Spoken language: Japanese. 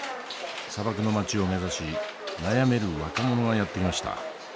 砂漠の街を目指し悩める若者がやって来ました。